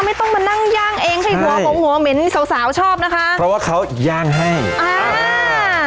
ไม่ต้องมานั่งย่างเองให้หัวหมหัวเหม็นสาวสาวชอบนะคะเพราะว่าเขาย่างแห้งอ่าอ่า